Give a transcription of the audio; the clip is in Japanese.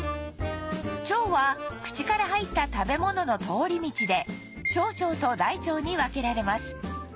腸は口から入った食べ物の通り道で小腸と大腸に分けられます